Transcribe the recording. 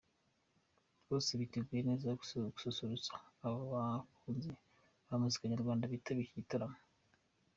Bose biteguye neza gususurutsa abakunzi ba muzika nyarwanda bitabiriye iki gitaramo.